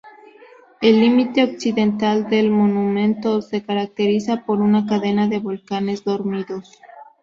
El límite occidental del monumento se caracteriza por una cadena de volcanes dormidos.